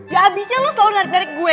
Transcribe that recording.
ya abisnya lo selalu nerik narik gue